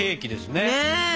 ねえ！